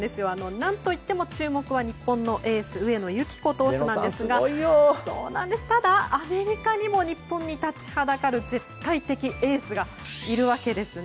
何といっても注目は日本のエース上野由岐子投手ですがアメリカにも日本に立ちはだかる絶対的エースがいるわけですね。